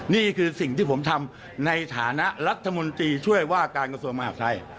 นี่คือสิ่งที่ผมทำในฐานะรัฐมนตรีช่วยว่าการกระทรวงมหาดไทย